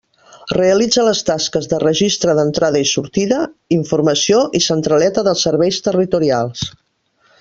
Realitza les tasques de registre d'entrada i sortida, informació i centraleta dels Serveis Territorials.